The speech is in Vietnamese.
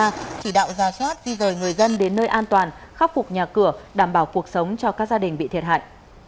chỉ đạo ra soát di rời người dân đến nơi an toàn khắc phục nhà cửa đảm bảo cuộc sống cho các gia đình bị thiệt hại